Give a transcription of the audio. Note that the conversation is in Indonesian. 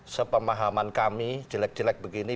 sepemahaman kami jelek jelek begini